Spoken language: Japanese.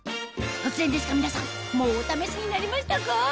突然ですが皆さんもうお試しになりましたか？